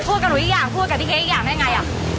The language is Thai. กับหนูอีกอย่างพูดกับพี่เค้กอีกอย่างได้ไง